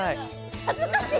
恥ずかしい！